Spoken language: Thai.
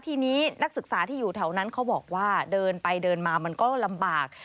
ทีนี้นักศึกษาที่อยู่แถวนั้นเขาบอกว่าเดินไปเดินมามันก็ลำบาก